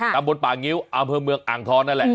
ตำบลป่างิ้วอำเภอเมืองอ่างทองนั่นแหละ